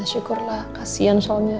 syukurlah kasian soalnya